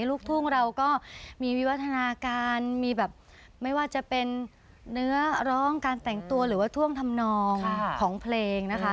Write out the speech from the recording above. ลูกทุ่งเราก็มีวิวัฒนาการมีแบบไม่ว่าจะเป็นเนื้อร้องการแต่งตัวหรือว่าท่วงทำนองของเพลงนะคะ